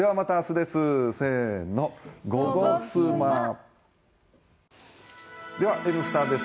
では「Ｎスタ」です。